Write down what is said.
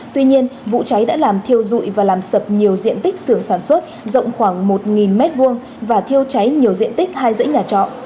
tuy nhiên vụ cháy đã làm thiêu dụi và làm sập nhiều diện tích xưởng sản xuất rộng khoảng một m hai và thiêu cháy nhiều diện tích hai dãy nhà trọ